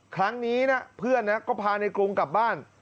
ครั้งนี้นะเพื่อนก็พาในกรุงกลับบ้าน